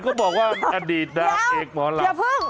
ก็บอกว่าอดีตนางเอกหมอลำเดี๋ยวเพิ่ง